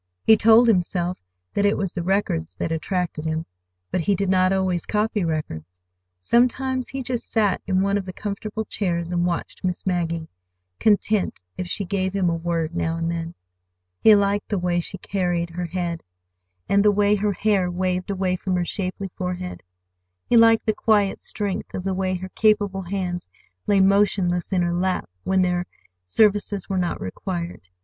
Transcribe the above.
He told himself that it was the records that attracted him. But he did not always copy records. Sometimes he just sat in one of the comfortable chairs and watched Miss Maggie, content if she gave him a word now and then. He liked the way she carried her head, and the way her hair waved away from her shapely forehead. He liked the quiet strength of the way her capable hands lay motionless in her lap when their services were not required.